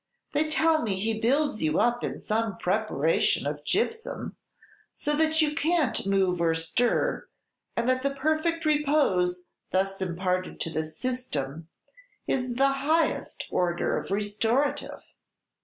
They tell me he builds you up in some preparation of gypsum, so that you can't move or stir, and that the perfect repose thus imparted to the system is the highest order of restorative."